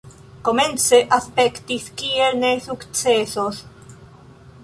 Komence aspektis kiel ne sukcesos